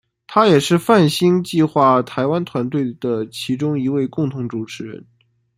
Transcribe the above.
他也是泛星计画台湾团队的其中一位共同主持人。